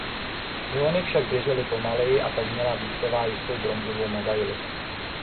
I ony však běžely pomaleji a tak měla Vítková jistou bronzovou medaili.